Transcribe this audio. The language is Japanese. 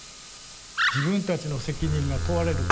自分たちの責任が問われるから。